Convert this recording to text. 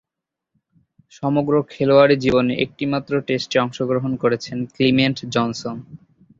সমগ্র খেলোয়াড়ী জীবনে একটিমাত্র টেস্টে অংশগ্রহণ করেছেন ক্লিমেন্ট জনসন।